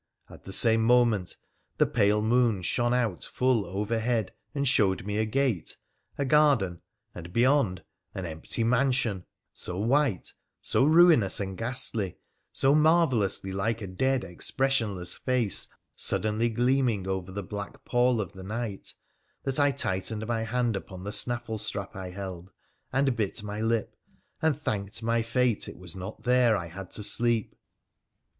At the same moment the pale moon shone out full r.vp.rVipn.^ q^^ c.v,~~— j —~ t%, MRA THE PHCENIC1AN 265 a garden, and beyond an empty mansion, so white, so ruinous and ghastly, so marvellously like a dead, expressionless face suddenly gleaming over the black pall of the night, that I tightened my hand upon the snaffle strap I held, and bit my lip, and thanked my fate it was not there I had to sleep.